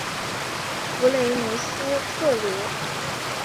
弗雷梅斯特罗。